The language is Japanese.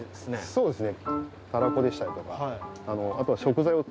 そうですね。